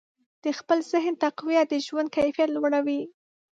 د خپل ذهن تقویت د ژوند کیفیت لوړوي.